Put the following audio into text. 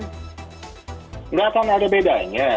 tidak akan ada bedanya